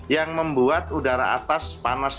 yang membuat udara atas panas